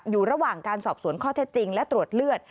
อยู่ระหว่างการสอบสวนข้อเท็จจริงและตรวจเลือด